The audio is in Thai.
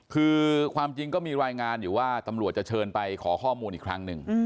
คือความจริงก็มีรายงานอยู่ว่าตำรวจจะเชิญไปขอข้อมูลอีกครั้งหนึ่ง